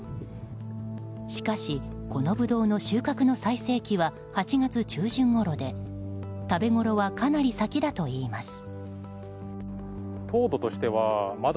しかし、このブドウの収穫の最盛期は８月中旬ごろで食べごろはかなり先だといいます。